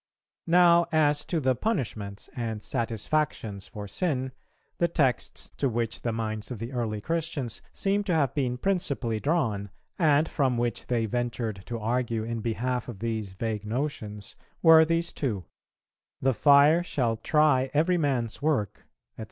"Now, as to the punishments and satisfactions for sin, the texts to which the minds of the early Christians seem to have been principally drawn, and from which they ventured to argue in behalf of these vague notions, were these two: 'The fire shall try every man's work,' &c.